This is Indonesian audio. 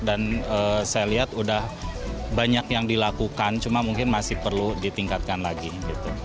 dan saya lihat udah banyak yang dilakukan cuma mungkin masih perlu ditingkatkan lagi gitu